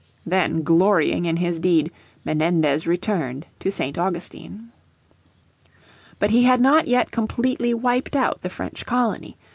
Then, glorying in his deed, Menendez returned to St. Augustine. But he had not yet completely wiped out the French colony.